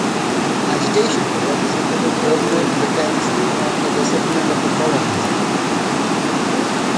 Agitation for representative government began soon after the settlement of the colonies.